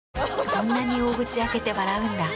そんなに大口開けて笑うんだ。